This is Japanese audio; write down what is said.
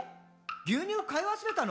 牛乳買い忘れたの？」